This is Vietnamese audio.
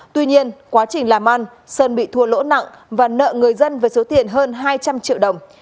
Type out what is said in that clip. tuy nhiên quá trình làm ăn sơn bị thua lỗ nặng và nợ người dân với số tiền hơn hai trăm linh triệu đồng